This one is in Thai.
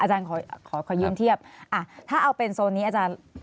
ขอยืนเทียบถ้าเอาเป็นโซนนี้อาจารย์